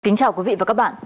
kính chào quý vị và các bạn